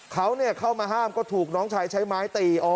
เขาเข้ามาห้ามก็ถูกน้องชายใช้ไม้ตี